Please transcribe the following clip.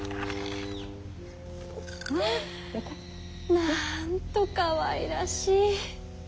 なんとかわいらしい。